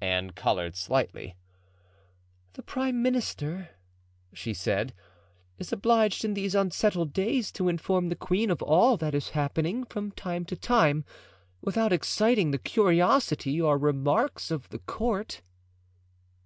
Anne colored slightly. "The prime minister," she said, "is obliged in these unsettled days to inform the queen of all that is happening from time to time, without exciting the curiosity or remarks of the court."